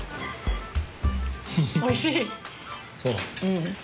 おいしい。